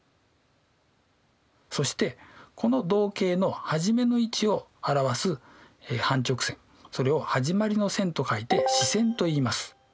そしてこの動径のはじめの位置を表す半直線それを始まりの線と書いて始線といいます。